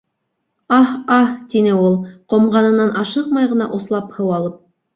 Аһ-аһ! - тине ул, ҡомғанынан ашыҡмай ғына услап һыу алып.